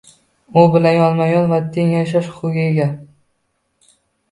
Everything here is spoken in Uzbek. U bilan yonma-yon va teng yashash huquqiga ega